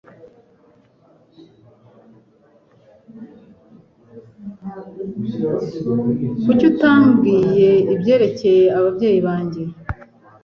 Kuki utambwiye ibyerekeye ababyeyi banjye?